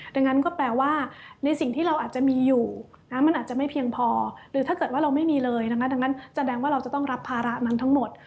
ดังนั้นก็แปลว่าในสิ่งที่เราอาจจะมีอยู่มันอาจจะไม่เพียงพอหรือถ้าเกิดว่าเราไม่มีเลยนะคะดังนั้นแสดงว่าเราจะต้องรับภาระนั้นทั้งหมด